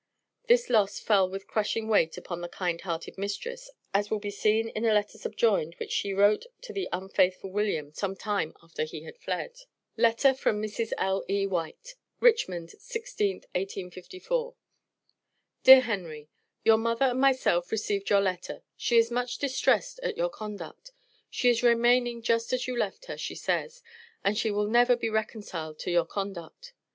This loss fell with crushing weight upon the kind hearted mistress, as will be seen in a letter subjoined which she wrote to the unfaithful William, some time after he had fled. LETTER FROM MRS. L.E. WHITE. RICHMOND, 16th, 1854. DEAR HENRY: Your mother and myself received your letter; she is much distressed at your conduct; she is remaining just as you left her, she says, and she will never be reconciled to your conduct.